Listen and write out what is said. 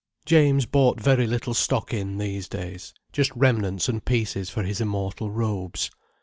James bought very little stock in these days: just remnants and pieces for his immortal robes.